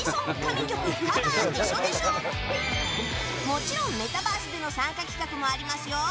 もちろんメタバースでの参加企画もありますよ。